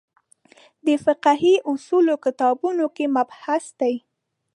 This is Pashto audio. د فقهې اصولو کتابونو کې مبحث دی.